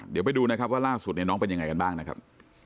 เดี๋ยวไปดูนะครับว่าล่าสุดเนี่ยน้องเป็นยังไงกันบ้างนะครับ